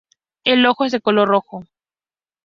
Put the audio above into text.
El ojo es de color rojo.